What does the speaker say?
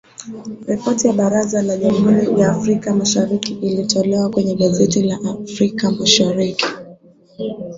Ripoti ya Baraza la Jamhuri ya Afrika Mashariki ilitolewa kwenye gazeti la Afrika Mashariki.